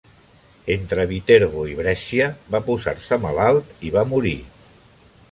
Entre Viterbo i Brescia va posar-se malalt i va morir.